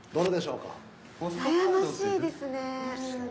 悩ましいですね。